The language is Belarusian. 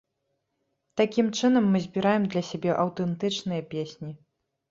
Такім чынам мы збіраем для сябе аўтэнтычныя песні.